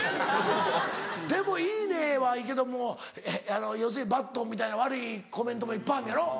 でも「いいね！」はいいけども要するに「バッド」みたいな悪いコメントもいっぱいあんねやろ？